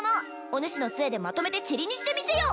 おぬしの杖でまとめてちりにしてみせよ！